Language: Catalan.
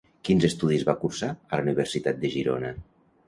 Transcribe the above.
Quins estudis va cursar a la Universitat de Girona?